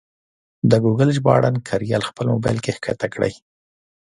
د ګوګل ژباړن کریال خپل مبایل کې کښته کړئ.